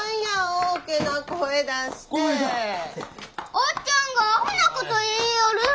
おっちゃんがアホなこと言いよる。